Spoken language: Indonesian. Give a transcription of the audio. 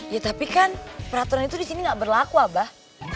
ya tapi kan peraturan itu di sini nggak berlaku abah